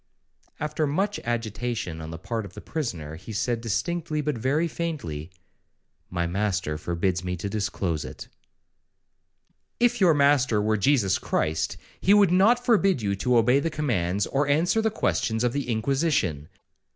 '—After much agitation on the part of the prisoner, he said distinctly, but very faintly, 'My master forbids me to disclose it.' If your master were Jesus Christ, he would not forbid you to obey the commands, or answer the questions of the Inquisition.'